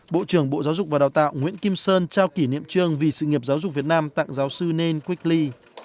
bộ trưởng bộ giáo dục và đào tạo nguyễn kim sơn trao kỷ niệm trường vì sự nghiệp giáo dục việt nam tặng giáo sư nên quyết ly